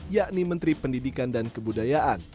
yakni menteri pendidikan dan kebudayaan